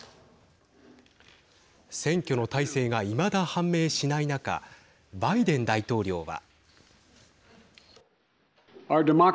選挙の大勢が、いまだ判明しない中バイデン大統領は。